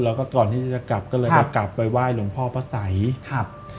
แล้วก็ก่อนที่จะกลับก็เลยก็กลับไปไหว้หลวงพ่อพระสัยครับ